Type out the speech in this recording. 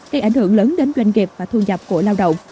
gây ảnh hưởng lớn đến doanh nghiệp và thu nhập của lao động